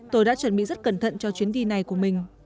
tôi đã chuẩn bị rất cẩn thận cho chuyến đi này của mình